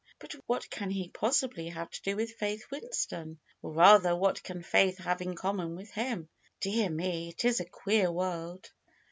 But what can he pos sibly have to do with Faith Winston? Or rather, what can Faith have in common with him? Dear me ! It is a queer world